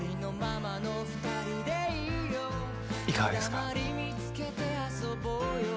いかがですか？